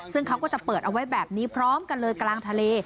ซึ่งเขาก็จะเปิดเอาไว้แบบนี้พร้อมกันเลยกลางทะเล